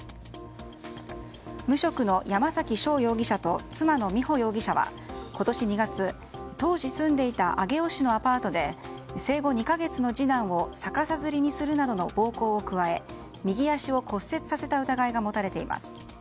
無職の山崎翔容疑者と妻の美穂容疑者は今年２月、当時住んでいた上尾市のアパートで生後２か月の次男を逆さづりにするなどの暴行を加え右足を骨折させた疑いが持たれています。